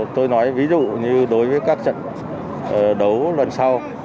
tôi nói ví dụ như đối với các trận đấu lần sau